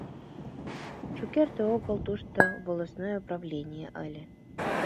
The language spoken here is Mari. Шукерте огыл тушто «Волостное правление» ыле.